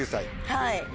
はい。